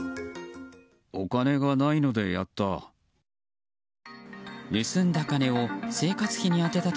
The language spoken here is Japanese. お金がないのでやった。